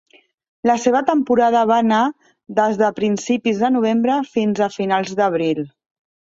La seva temporada va anar des de principis de novembre fins a finals d'abril.